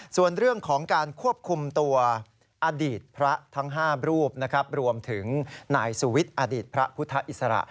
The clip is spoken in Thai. ส่วนเรื่องของการควบคุมตัวอดีตพระทั้ง๕รูปนะครับรวมถึงนายสุวิทย์อดีตพระพุทธอิสระ